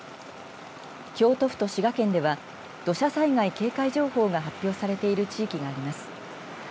京都府と滋賀県では土砂災害警戒情報が発表されている地域があります。